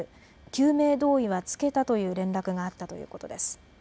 救命胴衣は着けたという連絡があったということです。